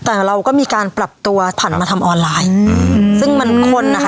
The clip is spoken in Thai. แต่เราก็มีการปรับตัวผ่านมาทำออนไลน์อืมซึ่งมันคนนะคะ